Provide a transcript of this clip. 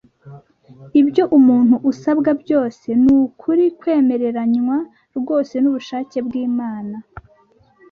Ibyo umuntu usabwa byose ni ukuri kwemeranywa rwose n’ubushake bw’Imana